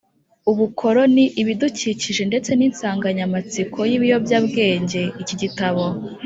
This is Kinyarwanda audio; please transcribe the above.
ubukoroni, ibidukikije ndetse n’insanganyamatsiko y’ibiyobyabwenge. Iki gitabo